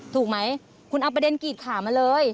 ถูกไหมคุณเอาประเด็นกรีดขามาเลย